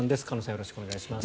よろしくお願いします。